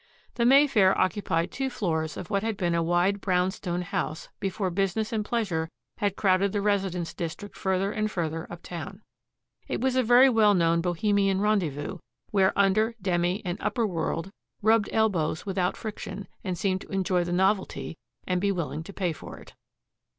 The Mayfair occupied two floors of what had been a wide brownstone house before business and pleasure had crowded the residence district further and further uptown. It was a very well known bohemian rendezvous, where under , demi and upper world rubbed elbows without friction and seemed to enjoy the novelty and be willing to pay for it.